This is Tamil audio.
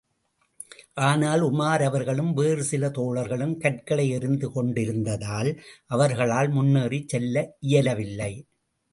ஆனால் உமர் அவர்களும், வேறு சில தோழர்களும் கற்களை எறிந்து கொண்டிருந்ததால், அவர்களால் முன்னேறிச் செல்ல இயலவில்லை.